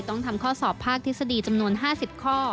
ต้องทำข้อสอบภาคทฤษฎีจำนวน๕๐ข้อ